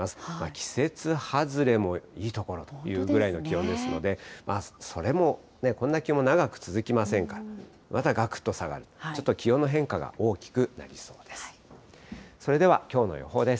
季節外れもいいところというぐらいの気温ですので、それも、こんな気温も長く続きませんから、またがくっと下がると、ちょっと気温の変化が大きくなりそうです。